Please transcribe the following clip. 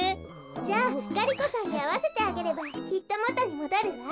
じゃあガリ子さんにあわせてあげればきっともとにもどるわ。